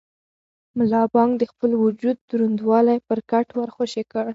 ملا بانګ د خپل وجود دروندوالی پر کټ ور خوشې کړ.